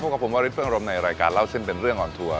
กับผมวาริสเฟืองอารมณ์ในรายการเล่าเส้นเป็นเรื่องออนทัวร์